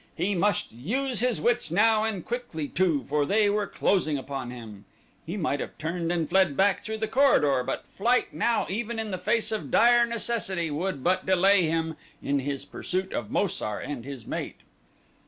He must use his wits now and quickly too, for they were closing upon him. He might have turned and fled back through the corridor but flight now even in the face of dire necessity would but delay him in his pursuit of Mo sar and his mate.